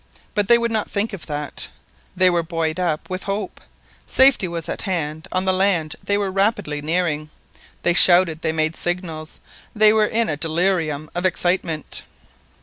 But they would not think of that; they were buoyed up with hope; safety was at hand, on the land they were rapidly nearing. They shouted—they made signals—they were in a delirium of excitement.